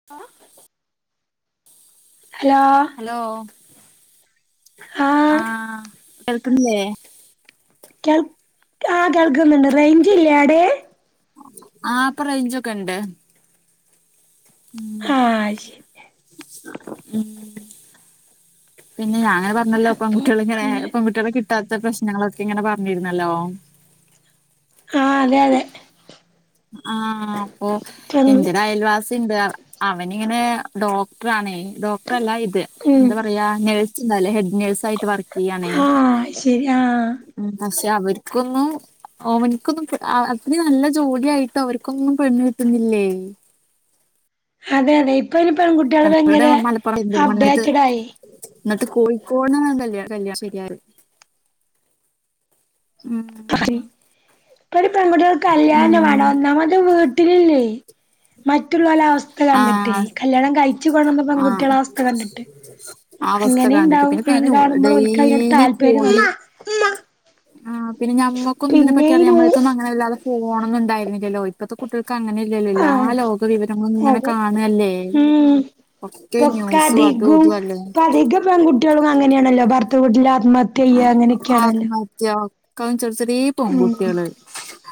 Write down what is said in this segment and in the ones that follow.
[unintelligible] Hello hello ആഹ് ആ കേൾക്കുന്നില്ലേ? കേൾ ആ കേൾക്കുന്നുണ്ട് റയ്ഞ്ച് ഇല്ലടെ ആഹ് ഇപ്പ റേഞ്ചൊക്കെ ഉണ്ട് ഉം ആഹ് [unintelligible] പിന്നെ ഞാൻ നല്ല അപ്പൊ പൺകുട്ട്യളെ ഇങ്ങനെ അങ്ങനെ പെൺകുട്ട്യളെ കിട്ടാത്ത പ്രശ്നങ്ങളൊക്കെ ഇങ്ങനെ പറഞ്ഞിരുന്നല്ലോ ആഹ് അതെ അതെ ആഹ് അപ്പൊ എന്തിനായാലും അവനിങ്ങനെ ഡോക്ടറാണെ ആണെ ഡോക്ടർല്ല ഇത് ഉം എന്താ പറയാ നേഴ ഹെഡ് നേഴ്സ് ആയിട്ട് വർക്ക് ചെയ്യണേ ആഹ് ശരി ആഹ് ഉ പക്ഷെ അവർക്കൊന്നും ഓമനിക്കൊന്നും അത്രരി നല്ല ജോലി [unintelligible] ആായിട്ടോ അവർക്കുംന്നും പെണ്ണ് കിട്ടുന്നില്ലേ? അതെ അതെ ഇപ്പഴ്‌ പെൺകുട്ടികൾ ഞങ്ങളുടെ ഭയങ്കര മലപ്പുറം പെരിന്തൽമണ്ണത്ത് അപ്ഡേറ്റഡ ആയി. എന്നിട്ട് കോഴിക്കോട്ന്ന് [unintelligible] കല്യാണശരി ആയത് ഉം ഇപ്പൊ ഒരു പെൺകുട്ടിക കല്യാണം വേണം ഉം ഒന്നാമത് വീട്ടിലില്ലേ മറ്റുള്ളല അവസ്ഥ കണ്ടിട്ടേ ആഹ് കല്യാണം കഴിച്ചു കൊട്ന്ന ആഹ് പെൺകുട്ടികള അവസ്ഥ കണ്ടിട്ട് ആ അവസ്ഥ കണ്ടിട്ട് അങ്ങനെുണ്ടാവും പിന്നെ അത് പിഞ്ഞു കാണുമ്പോൾ ഓൾക് അയളോട് ഡെയിലി താല്പര്യം ആ് പിന്നെ പിന്നെ ഈ നമ്മക്കക്ക്തിനപറ്റിറിയ നൂ നമ്മെക്കെ [unintelligible] തെോണന്നും ഉണ്ടായിുന്നില്ലല്ലോ ഇപ്പഴത്തെ കുട്ടികൾക്ക് അങ്ങനെ [unintelligible] എല്ലാം ആഹ് ലോക വിവരങ്ങളൊന്നും ഇങ്ങനെ അതെ കാണല്ലേ? ഉം ഒക്കെ ന്യൂസും അതും ഇതും അല്ലേ പെൺകട്ടികളും അങ്ങെയാണല്ലോ ഭർത്ത വീട്ടിൽ ആത്മഹത്യ ചെയ്യുക അങ്ങനെയൊക്കെയാണല്ലോ? [unintelligible] ക ചെറിയ ചെറിയ ഉം പൺകുട്ടികള്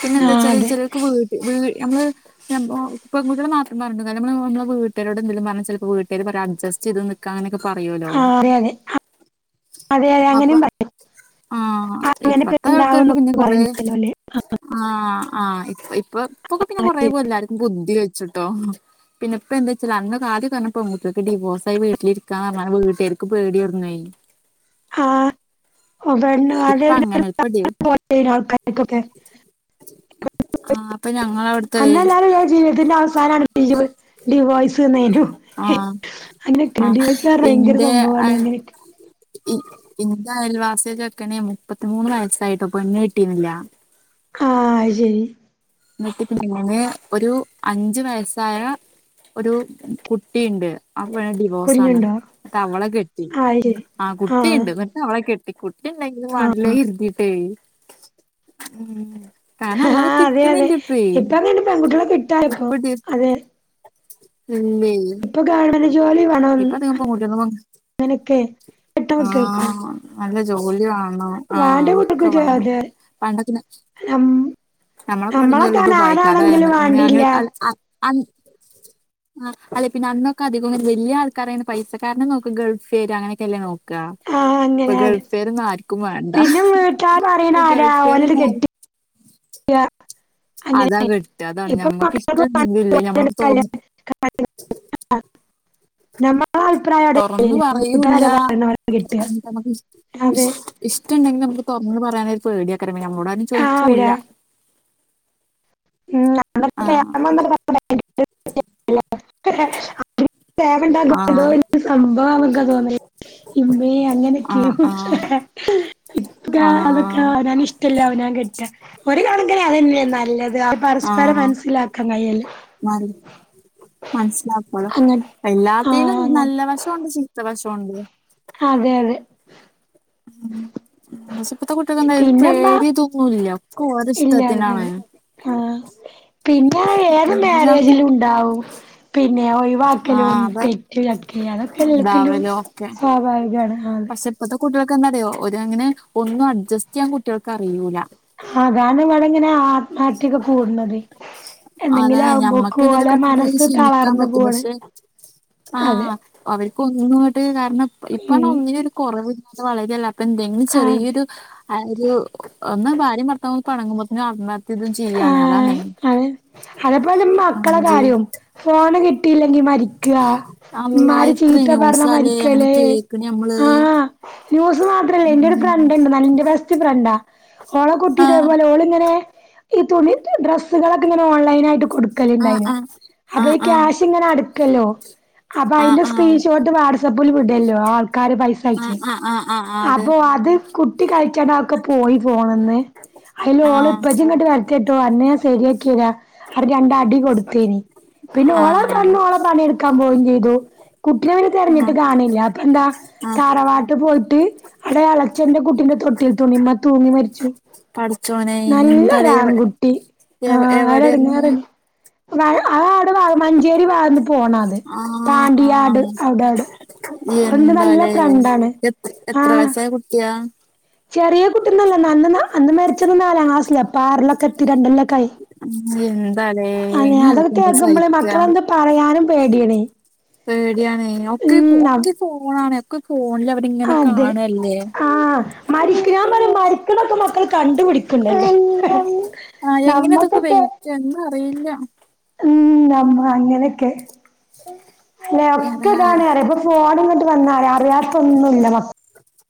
പിന്നെ ആ എന്താ വച്ചാ അതെ ചിലർക്ക് വീട്ട വീട് നമ്മള് - [unintelligible] നമ്മള് വീട്ടരോട്ന്തങ്കിലും പറഞ്ഞ ചിലപ്പോ വീട്ടുകാര് പറ അഡ്ജസ്റ്റ് ചെയ്ത് നിക്ക നിക്കാനെയൊക്കെ പറയോലോ? അതെയ അതെ അതെ അതെ അപ്പ അങ്ങനെയും പറയും ആഹ അങ്ങനെപ്പ ഇപ്പത്തെ ആൾക്കാർക്ക് പിന്നെ ഉണ്ടാവുംന്നൊക്കെ കൊറെ പറയുംലോല്ലേ ആ് ആഹ് ഇപ്പ ഇപ്പൊ പൊക്കെ പിന്നെ കൊറെേ പോലെ എല്ലാർക്കും ബുദ്ധി വെച്ചിട്ടോ പിന്നെപ്പ എന്താ വെച്ചാ അന്ന് അദ്യം ക്കെ [unintelligible] പെൺകുട്ടിള്ക്ക് ഡിവോഴസയി വീട്ടിലിരിക്കാന്ന് പറഞ്ഞ വീട്ടേർക്ക് പേടിയിരുന്നേ ഇപ്പ അങ്ങനെ ഇപ്പ ഡി [unintelligible] [inaudible] ഇപ്പൊ [unintelligible] ഞങ്ങളവിടുത്തെ അന്നല്ലാതും ജീവിതത്തിന്റെ അവസാനമാണ് [unintelligible] ഡിവോയ്സ് തന്നെന്നും ആഹ് അങ്ങനെയൊക്കെല്ലോ ആഹ് ഡിവോയ്സ് ഭയങ്കര സംഭവവാണ് അങ്ങനെയൊക്കെ [unintelligible] അയൽവാസ ചെക്കണേ മുപ്പത്തിമൂന്ന് വയസ്സായിട്ടോ പെണ്ണ് കിട്ടീുന്നില്ല ആഹ ശരി എന്നിട്ട് പിന്നെ ഒരു അഞ്ച വയസായ ഒരു കുട്ടിയുണ്ട് അപ്പ [unintelligible] ഡിവോഴ്സ്ണ് കുഞ്ഞുണ്ടോ എന്നിട്ട് അവളെ കെട്ടി ആ അത് ശരി ആ കുട്ടിയുണ്ട് എന്നിട്ട് അവളെ കെട്ടി കുട്ടില്ലെങ്കും ആ വാടലേ ഇരുതിട്ടേ ഉ കാരണനല്ലാതെ ആഹ് കി അതെ അതെ ഇപ്പ അങ്ങെ പെൺകുട്ടികളെ കിട്ടാ ഇപ്പോ അതെ ഉം [unintelligible] ഇപ്പൊ ഗവൺമെന്റ് ജോലി വേണം അങ്ങനെയൊക്കെ [unintelligible] കേൾക്കും ആഹ് നല്ല ജോലി വാണം ആഹ ഒക്കെ കുട്ടികൾക്ക് വേണം അതെ പണ്ടക്കെ നം - നമ്മളെക്കെ പഠിച്ചുമ്പോ നമ്മളൊക്കാണ് വല്ലദുബായിക്കാര് അതായ ഞ ആരാണെങ്കിലും അങ്ങനെ വാണ്ടില്ല അങ്ങനെ അ [unintelligible] അല്ല പിന്നെ അന്നൊക്കെ അധികം വലിയ ആൾക്കർെ പൈസക്കാരനെ നോക്ക ഗൾഫ് ഫേര്അങ്ങനൊക്കെല്ലേ നോക്കാ ആഹ് ഇപ്പൊ അങ്ങനെ അതെ. ഗൾഫ് ഫെര് ആര്ക്കു ക്കും വേണ്ട പിന്നെ വീട്ടാര് പറയണ ഇപ്പൊ ഗൾഫേരൊന്നും ആർ ആതേ അതാ കിട്ട അതാണ് മക്കൾക്ക് ഞമ്മക്ക്ഷ്ടം ണ്ടങ്കിലുംല്ലേ ഞമ്മള തോന്ന് [unintelligible] നമ്മ ആ അഭിപ്രായടെ തുറന്ന് പറയൂല്ല [unintelligible] ഇഷ്ടുണ്ടെങ്കിൽ നമ്മള് തുറന്ന് പറാനൊ ഒരു പേടിയ്ക്കാരം ആഹ് നമ്മോടാരുംനുചോയിക്കൂല്ല വിടാ ആഹ് [unintelligible] ആഹ് [unintelligible] ഇമ്മേ അങ്ങനൊക്കെയ ആഹ് ആഹ് ഇപ്പ അതൊക്കെ ആഹ് അവനാ [unintelligible] [unintelligible] അവനാകെട്ടാ ഒര് കണക്കിന് അതന്നെയാ നല്ലെ [unintelligible] പരസ്പരം ആഹ് മനസ്സിലാക്കാൻ കഴിയല് മനസ്സിലാക്കാക്കോളൂ അങ്ങ ആ എല്ലാത്തും അങ്ങ നല്ല വശമുണ്ട് ചീത്ത വശണ്ട് അതെ അതെ ക്ഷേ ഇപ്പത്തെ കുട്ടികൊക്കെന്താ ഒരു പിന്നെപ്പ പേടി തോന്നൂല്ല ഇല്ല അതെ അതെ ആഹാ പിന്നെ അഹ് ഏത് മേരേജിലുണ്ടാവും പിന്നെ ഒഴിവാക്കലും ആഹ് അതെ തെറ്റ് ക്കെ അതൊക്കെ എല്ലാത്തിലും. ഇതാവലും ഒക്കെ സ്വാഭാവികാണ് ആന്ന്. പക്ഷെ ഇപ്പത്തെ കുട്ടികൾക്ക്ന്താറിയോ ഒര് അങ്ങനെ ഒന്നും അഡ്ജസ്റ്റ് ചെയ്യാൻ കുട്ട്യാൾക്ക് അറിയൂല്ല അതാണ് ഇവിടെങ്ങനെ ആത്മഹത്യക്കെ കൂടണത് അതാണ് ഞമ്മക്ക് ന്താലും കണ്ട്ന് ക്ഷമിക്കാൻ തളർന്നു പറ്റും പോണ് പക്ഷെ അതെ ആഹ് അവർക്ക് ഒന്നുംങ്ങട്ട് കാരണം ഉം ഇപ്പൊന്നിനും ഒരു കുറവില്ലാത വളരെല്ലേ അപ്പൊ എന്തേ ന്നേ അത് ചെറിയൊരു ഒരു ഒന്ന് ഭാര്യം ഭർത്താ പെണങ്ങുമ്പോത്തനും ആത്മ ഇതുംചെയ്യണേ അതാണേ അതെപ്പോലും ആഹ് മക്കളെ ജി കാര്യും ഫോണ് കിട്ടില്ലെങ്കി മരിക്കാ അള്ളാ ഇമ്മാര് എത്ര ചീത്ത പറഞ്ഞ ന്യൂസാലേ അങ്ങനെ മരിക്കല് കേക്ക്ണ് നമ്മള് ആഹ് ജ് മാത്രല്ലേ എന്റെ ഒരു ഉം ഫ്രണ്ട്ണ്ട് ഞ ന്റേ ബെസ്റ്റ് ഫ്രണ്ടാ ഓളെ ആഹ് കുട്ടിയതേപോലെ ഓള്ങ്ങനെ ഈ തുണി ഡ്രസ്സുകളൊക്കെ ഇങ്ങനെ ഓൺലൈനായിട്ട് ആഹ് കൊടുക്കലുണ്ടായിനു അപ്പൊ ആഹ് ഈ ആഹ് ക്യാഷ് ഇങ്ങനെ അടു ല്ലോ അപ്പൊ ആഹ് അതിന്റെ ആഹ് സ്ക്രീൻഷോട്ട് വാട്സആപ്പിൽ വിടല്ലോ ആൾക്കാര് പൈസ അയച്ചേ. ആഹ് ആഹ് ആഹ് ആഹ് ആഹ് ആഹ് അതെ അപ്പൊ അത് കുട്ടി കളിചാണ്ട ഒക്കെ പോയി ഫോണ്ന്ന് അയില് ഓള് ആഹ് ഇപ്പച്ചിങ്ങട്ട് വ ട്ടോ അന്നേ ശരിയാക്കിരാ അവര് രണ്ട അടി കൊടുത്തേനി. പിന്നെ ഓളെ ആഹ് പണി ഓള പണിയടുക്കാൻ പോവയും ചെയ്തു. കുട്ടിനെ ന്നേ തെരഞ്ഞിട്ട് ആഹ് കാണില്ല അപ്പ ന്താ? ആഹ് താറവാട്ടീ പോയിട്ട് അവിടെ എളച്ചന്റെ കുട്ടിന്റെ തൊട്ടി എട്ത്തന്ന് തൂങ്ങി മരിച്ചു. പട്ച്ചോനെ എന്താലേയും ൺകുട്ടി ആ അഒരേടങ്ങേറ്ണ്ട് [unintelligible] [unintelligible] മഞ്ചേരി വാന്ന് പോണ അത് ആഹ് പാണ്ടിയാട് ആഹ് അവടെവടെ എന്താലേ എത്ര എത്ര ആഹ് വയസായ കുട്ടിയാ? ചെറിയ കുട്ട്യോന്നല്ല അന്ന് അന്ന് മരിച്ചത് നാലാം ക്ലാസ്ലില ഇപ്പൊ ആറലൊക്കെ എത്തി രണ്ടിലില്ലോക്കായി എന്താലേ അതെ എങ്ങനെ അതൊക്കെ നമ്മള് കേക്കുമ്പളേ സഹിക്കാ മക്കളന്തേ പറയാനും പേടിയാണേ പേടിയണേ ഒക്കെ ഉം ഒക്കെ ഫോണാണെ ഒക്കെ ഫോണില് അവരിങ്ങനെ അതെ കാണല്ലേ. ആഹ് മരിക്കാ പറ മരിക്ണോക്കെ മക്കൾ കണ്ടുപിടിക്ണ്ട് ഉ [unintelligible] നമ്മക്കൊക്കെ. എന്തു അറിയില്ല ഉം വന്ന് വന്ന്ക്കേ എടാ അങ്ങനെയൊക്കെ ഇതാണേറിയാ ഫോണ്ങ്ങോട്ട് വന്നാല് അറിയാത്തൊന്നുല്ല മ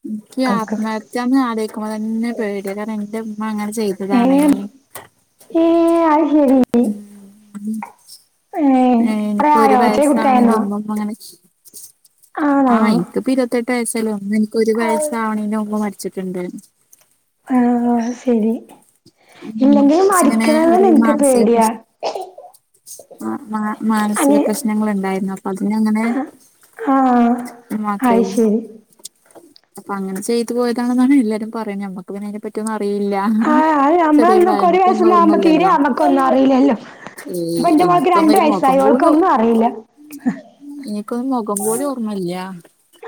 എനിക്ക് ആത്മഹത്യാന്ന് ആലോയ്ക്കുമ്പോ തന്നെ പേട്യ കാരണം ന്റെമ്മ അങ്ങനെ ചെയ്തതാണേ. ഏ അയ് ഉം [unintelligible] ഏഹ് കൊറേ എനിക്ക് ഒരു ആയോ ചെറിയ കുട്ടിയായിരുന്നോ വയസാണെലും മ്മ മകന് ആ ആണോ ഇൻക്ക്പ്പോ ഇരുവത്തെട്ട് വയസ്സല്ലേ അന്നെൻക്ക് ഒരു വയസ്സാവ്ണീന്റെ മുമ്പ് മറ്റെ ച്ചിട്ട്ണ്ട് ആഹ് ശരി ഉം മൻ ഇല്ലെങ്കിലും സ്സിങ്ങനെ മരിക്കണത് ഒരു എനിക്ക് മാൻസിക പേടിയാ പ്രശ്നം ആഹ് മാനസിക അങ്ങ് പ്രശ്നങ്ങള് ണ്ടായിര്ന്നു അപ്പതിനങ്ങനെ ആഹ് മാത്രേ അയ് ശരി അപ്പൊ അങ്ങനെ ചെയ്തു പോയതാണെന്നാണ് എല്ലാരും പറയാന്നേ ഞമ്മക്ക് പിന്നെ അതിനെ പറ്റിയൊന്നുറിയുല്ല ആഹ് അത് നമ്മളന്നൊക്കെ ഒരു വയസൊന്നാവുമ്പോ തീരെ നമ്മക്കൊന്നും അറില്ലല്ലോ? ഏ പ്പ ന്റെ മോൾക്ക് രണ്ടു വയസായി അവൾക്കൊന്നും അറിയില്ല. എനിക്കൊന്ന് മൊഖം പോലുംഓർമ്മല്ല്യാ.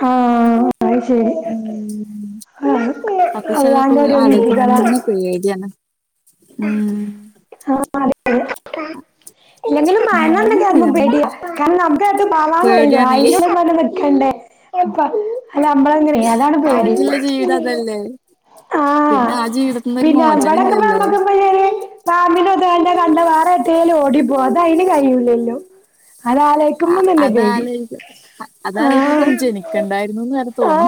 ആഹ് അയ്ശരി ഉം ആ അതൊക്കെരു അള്ളാന്റോരോ വിധികളാ പേഡ്യാണ് ഉം [unintelligible] ഇല്ലെങ്കിലും മണം ന്ന്ക്കേക്കുമ്പോ നമ്മള് പേടിയാ കാര്ണം നമ്കേട്ട് [unintelligible] പേടിയാണ് ആയ്ൻ്റുള്ളിലന്നെ നിക്കല്ലേ പ്പ അല്ലമ്മളങ്ങനെ അതാണ് പേടി ബാക്കിയുള്ള ജീവിതം അതല്ലേ ആഹ് പിന്നെ ആ ജീവിതത്തിന്ന് ഒരു മോചനം ഇല്ലല്ലോ പിന്നെവ്വടക്കപ്പമ്മക്ക് ഏ ബാമിനതന്നെ കണ്ട വേറെ എട്ടേലുടിപ്പോ അതയ്ന് കയ്യൂല്ലോ ഹലോ അ ആലക്കുമ്പോതന്നെ പേടി അതാലോചിക്ക അ അതാലോയ്ക്കുമ്പ ആഹ് തോന്നു ജനിക്കണ്ടായിര്ന്നുന്ന് വെരെ തോന്നു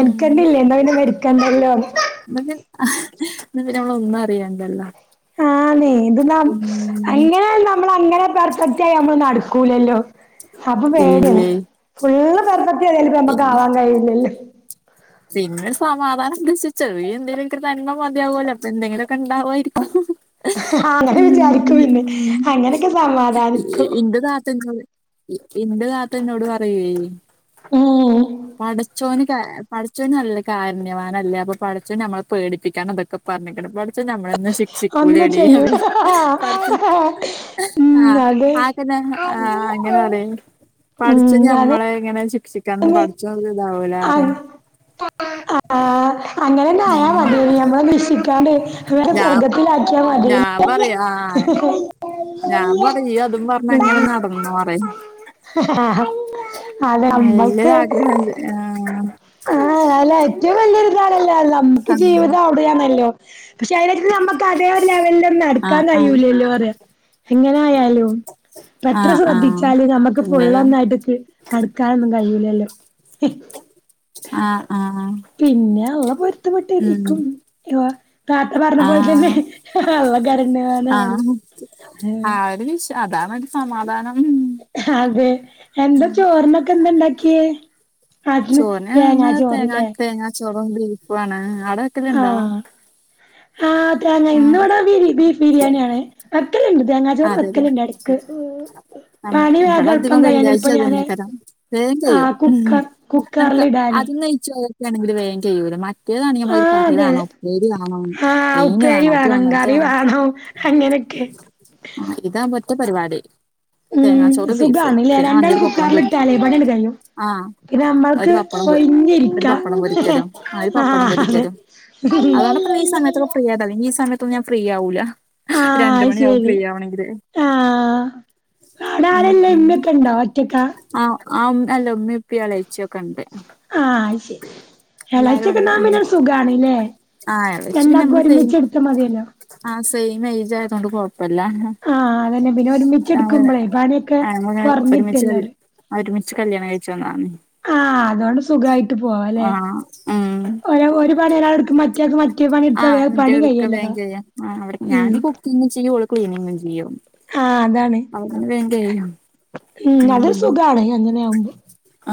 ഉം ക്കണ്ടില്ലേ എന്നാപിന്നെ മെര്ക്കണ്ടല്ലോ മ ഞ് ഹ ന്ന് നമ്മള ഒന്നും അറിയണ്ടല്ലോ. ആന്നെ ഇത്‌ന്ന ഉം അങ്ങനെ നമ്മൾ അങ്ങനെ പെർഫെക്റ്റായി നമ്മൾ നടക്കൂലല്ലോ അപ്പൊ പേടിയാണ് ഇല്ലേ ഫുള്ള് പെർഫക്റ്റ് യായല് പമ്മക്ക് ആവാൻ കയ്യുലല്ലോ പിന്നെ സമാധാനംന്തെച്ചാ ചെറിയ എന്തേലുക്കൊരു നന്മ മതിയാവൊല്ലോ പിന്നെങ്ങനെക്കെ ണ്ടാവ്യായിരിക്കും ആഹ് അങ്ങനെ വിചാരിക്കുപിന്നെ അങ്ങനെക്കെ സമാധാനിക്കും ന്റെ താത്ത എന്നുവരും ഇ ഇന്റെ താത്തന്നോട് പറയോയ് ഉം പടച്ചോന് കാ പടച്ചോൻ നല്ല കാര്ണ്യവാനല്ലേ അപ്പൊ പടച്ചോൻ നമ്മളെ പേടിപ്പിക്കാനൊന്ത ക്കെ പറഞ്ഞ്ക്ക്ണ് പടച്ചോൻ നമ്മളെന്നെ ടിപ് അന്ന് ചിക്കൂലടി ചെയ്യൂ അറി പഠ്ച്ച് ട്ടി ഉം ആഹ് അതെ ആക്കന്നെ ആഹ് അങ്ങനെപറി പടച്ചോൻ ഉം അതെ ഞമ്മളെ ഇങ്ങനെ ശിക്ഷിക്കാന്ന് തന്നെ പടച്ചോന് ഇതാവൂലേ അറി [unintelligible] ആ അങ്ങനെന്നെ ആയാ മതേന് മ്മളെ നിശ്ശിക്കാണ്ടെ വേഗം ഞാൻ സ്വർഗ്ഗത്തിലാക്കിയാ മതി ഹ് ഉം ഞാപറി ഞിഅതും പറ്ഞ്ഞങ്ങനെ നടന്നന്നോ അറി അതെ അമ്മാ ല്ലരാഗ്രഹാല് ആഹ് ആഹ് അല്ല ഏറ്റവും വലിയൊരിതാണല്ല നമ്ക്ക് ആഹ് ജീവിതം അവ്ടെയാണല്ലോ പക്ഷെ അയ് നമക്ക് അതേ ഒര്ലെവൽലൊന്ന ട്ക്കാൻ ആഹ് കയ്യൂലല്ലോ അറ്യ എങ്ങനെയാലുംപ്പത്ര ആഹ് ആഹ് ശ്രദ്ധിച്ചാലും ഞമക്ക് ആഹ് ഫുള്ളൊന്നായ്ട്ട് കി അട്ക്കാനൊന്നു കയ്യൂലല്ലോ ഹി ആഹ് ആഹ് പിന്നെ അള്ള ഉം പൊര്ത്തപ്പെട്ടേരിക്കും താത്ത പറഞ്ഞ പോൽതന്നെ ആഹ് ഹ് ഹ് അള്ളാക്കറിയാ ആഹ് ആ ഒരു വിഷ് അതാണര് സമാധാനം ഹതെ എന്താ ചോറ്നൊക്കെന്താ ണ്ടാക്കീ ചോനാന്ന് തേങ്ങ തേങ്ങാചോറും ബീഫുണ് അവ്ടെ വെക്കല്ണ്ടോ ആഹ് ആഹ് അതെ ഞെ ഇന്ന്വ്ടെബി ബീഫ് ബിരിയാണിയാണ് വക്കല്ണ്ട് തേങ്ങാ ചോറ് വെക്കലുണ്ട് എട്ക്ക്. ആഹ് ങ്ങടെധികം വെള്ളിയാഴ്ച ഞാന് അതന്നെക്കാരം വേം കെയ്യും ആഹ് കുക്കർ നമ്മക്ക് കുക്കറിലിടാനേ അതൊന്നുംചോയിക്കണെങ്കില് വേഗം കഴൂല മ റ്റേതാണെങ്കി ഞമ്മള് ഒര് ആഹ് കറി അതെ അതെ വേണം ഉപ്പേരി വേണം ആഹ് മീന് വേണം അത് വേണം ഇത് വേണം അങ്ങനൊക്കെ ആഹ് ഇതാവുമ്പോറ്റ പരിപാടി ഉം തേങ്ങാച്ചോറ് ബീഫ് സുഖാണ്ല്ലേ പിന്നെ രണ്ടാള് വാണങ്കിൽ പപ്പടം പൊരിക്ക കുക്കറിലിട്ടാലേ പണിയങ്ങട് കഴിയും ആഹ് പിന്നെ ഒര് നമ്മൾക്ക് വപ്പടപൊ ഒര് ഒഴിഞ്ഞിരിക്കാ പപ്പടം പൊരി ക്യലും അ ര്പപ്പട ആഹ് അതെ പൊരിക്യലും ആഹ് അതോണ്ടപ്പം നീ സമയത്തൊക്കെ ഫ്രീ ആയതാ അല്ലങ്കീ സമയത്തൊന്നും ഞാഫ്രീയാവൂല രണ്ട്മണിയാവും ഉം ആഹ് ആവ്ടരെല്ലെ മ്മെക്കെണ്ടോ ഒറ്റക്കാ ആഹ് ആ ഉം അല്ല ഉമ്മിപ്പി എളേച്ചിക്കെണ്ട് ആഹ് അ ശരി എല്ലാരും ഉണ്ട് എളേച്ച്യക്കെണ്ടാവുമ്പം പിന്നരു സുഖാണ് ലോ? ആ രണ്ടാക്കു ഒര്മിച്ച്ട്ത്താ മതിയല്ലോ ആഹ് സെയിം എയ്ജ് ആയത് കൊണ്ട് കൊഴപ്പല്ല ആഹ് അതന്നെ പിന്നെ ഒര്മിച്ച് ഞങ്ങള് എടുക്കുമ്പളെ പണിയൊക്കെ കൊറഞ്ഞിട്ടല്ലോ പറയും ആ ഒര്മിച്ച് കല്യാണം കഴിച്ച് വന്നതാന്നെ ആഹ് അത്കൊണ്ട് സുഖായിട്ട് പോവല്ലെ ഉം ഒ ഒര് പണി ഒരാൾ എടുക്കും മറ്റെയാൾക്ക് മറ്റ് ആഹ് മറ്റെ എടുക്ക വേഗം കഴിയാ ആ ഞാൻ ഉം കുക്കിങ്ങ് ചെയ്യും ഓള് ക്ലീനിങ്ങും ചെയ്യും ആ അതാണ് അവള് പിന്നെ വേഗം കഴിയും ഉം അത് ഒര് സുഖാണ് അങ്ങനെയാമ്പോ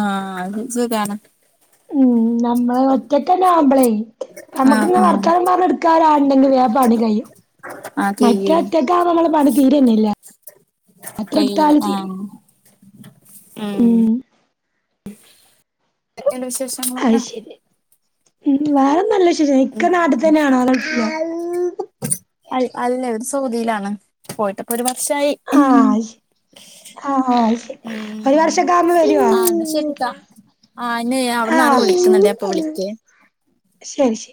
ആഹ് അത് സുഖാണ് ഉം നമ്മള് ഒറ്റക്കന്നെ ‌ ആവുമ്പളെ ആ നമ്മുക്കിങ്ങ് ആ വർത്താനം പറഞ്ഞ് എടുക്കാന് ആര് ണ്ടെങ്കി വേം പണി കയ്യും ആഹ് കയ്യേ മറ്റെ ഒറ്റക്ക് ആവുമ്പ മ്മളെ പണി തീരന്നെല്ല എത്ര കയ്യൂല എട്ത്താലും ആഹ് തീരുലാ ഉം ക്കെണ്ട് വിശേഷം? അയ് ശെരി ഉം വേറെ നല്ലവിശേഷം ഇക്ക നാട്ടിൽ ഉം തന്നെയാണോന്ന് ചോയിക്കാ അൽ അല്ല അവര് സൗദിലാണ് പോയിട്ടപ്പോ ഒര് വർഷായി ആഹ് ഉം ശെരി ആഹ് ശെരി ഒര് വർഷക്കാവുമ്പോ വരുവാ ആ ഇന്നെ അവ്ട്ന്ന് ആരോ വിളിക്ക്ന്ന്ണ്ടേ ഞാൻ പ്പ വിളിക്കെ ശെരി ശെ